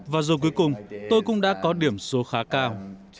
và rồi cuối cùng tôi cũng đã có điểm số khá cao